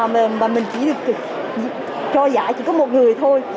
mà mình chỉ được cho giải chỉ có một người thôi